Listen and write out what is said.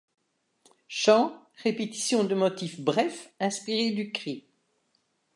Chant, répétition de motifs brefs inspirés du cri.